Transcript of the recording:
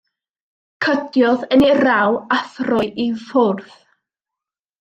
Cydiodd yn ei raw a throi i ffwrdd.